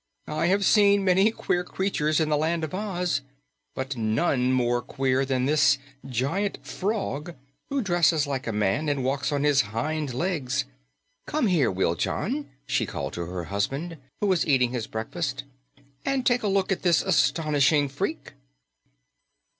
"I have seen many queer creatures in the Land of Oz, but none more queer than this giant frog who dresses like a man and walks on his hind legs. Come here, Wiljon," she called to her husband, who was eating his breakfast, "and take a look at this astonishing freak."